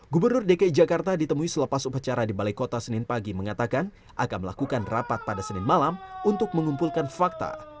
gubernur dki jakarta ditemui selepas upacara di balai kota senin pagi mengatakan akan melakukan rapat pada senin malam untuk mengumpulkan fakta